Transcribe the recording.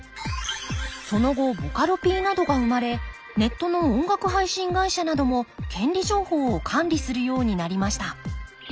その後ボカロＰなどが生まれネットの音楽配信会社なども権利情報を管理するようになりました。